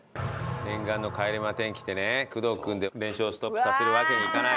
念願の帰れま１０来てね工藤君で連勝ストップさせるわけにはいかない。